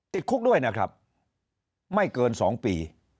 ติดคุกด้วยนะครับไม่เกิน๒ปี